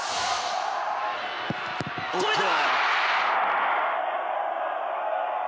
止めた！